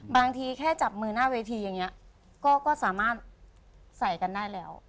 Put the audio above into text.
บางทีแค่จับมือหน้าเวทีอย่างนี้ก็สามารถใส่กันได้แล้ว